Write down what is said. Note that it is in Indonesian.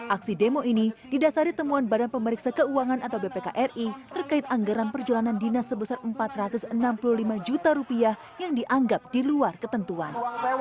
aksi demo ini didasari temuan badan pemeriksa keuangan atau bpkri terkait anggaran perjalanan dinas sebesar rp empat ratus enam puluh lima juta yang dianggap di luar ketentuan